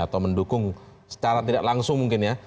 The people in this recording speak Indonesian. atau mendukung secara tidak langsung mungkin ya